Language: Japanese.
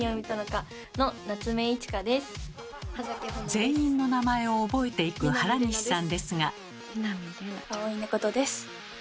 全員の名前を覚えていく原西さんですが。